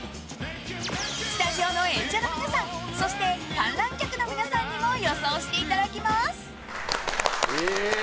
スタジオの演者の皆さんそして観覧客の皆さんにも予想していただきます。